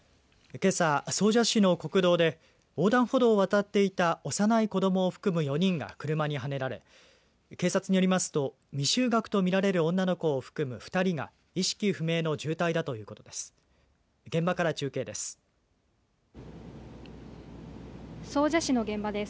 けさ、総社市の国道で横断歩道を渡っていた幼い子どもを含む４人が車にはねられ警察によりますと未就学とみられる女の子を含む２人が意識不明の重体だということです。